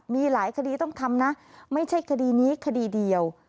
มีหลายคดีต้องทำนะไม่ใช่คดีนี้คดีเดียว